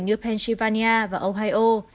như pennsylvania và ohio